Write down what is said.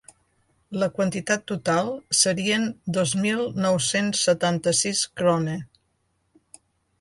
La quantitat total serien dos mil nou-cents setanta-sis Krone.